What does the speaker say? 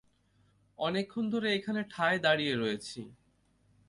অনেকক্ষণ ধরে এখানে ঠায় দাঁড়িয়ে রয়েছি।